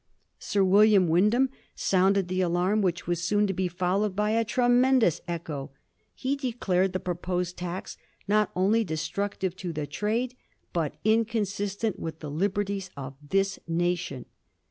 Sir William Wyndham sounded the alarm which was soon to be followed by a tremendous echo. He declared the proposed tax * not only destructive to the trade, but inconsistent with the liberties of this nation.'